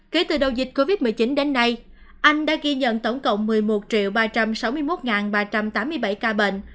kể từ đầu dịch covid một mươi chín đến nay anh đã ghi nhận tổng cộng một mươi một ba trăm sáu mươi một ca bệnh